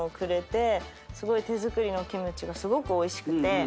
手作りのキムチがすごくおいしくて。